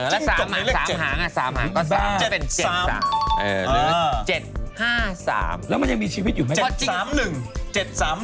แล้วสามห้างสามห้างสามห้างเดี๋ยวมันเป็นเจ็ดสาม